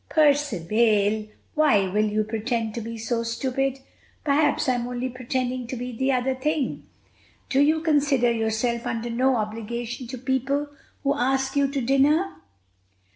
"Percivale, why will you pretend to be so stupid?" "Perhaps I'm only pretending to be the other thing." "Do you consider yourself under no obligation to people who ask you to dinner?"